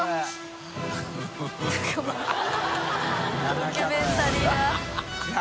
ドキュメンタリーだ。